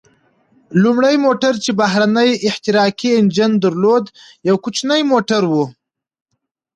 لومړی موټر چې بهرنی احتراقي انجن درلود، یو کوچنی موټر و.